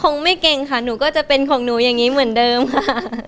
คงไม่เก่งค่ะหนูก็จะเป็นของหนูอย่างนี้เหมือนเดิมค่ะ